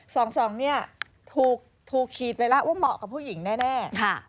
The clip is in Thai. สองสองเนี่ยถูกขีดไปแล้วว่าเหมาะกับผู้หญิงแน่